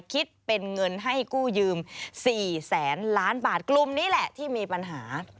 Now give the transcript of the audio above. คิดเป็นเงินให้กู้ยืม๔แสนล้านบาทกลุ่มนี้แหละที่มีปัญหา